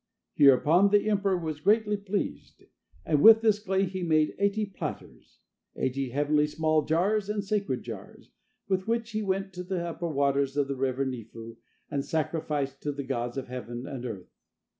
Hereupon the emperor was greatly pleased, and with this clay he made eighty platters, eighty heavenly small jars and sacred jars, with which he went to the upper waters of the River Nifu and sacrificed to the gods of heaven and earth.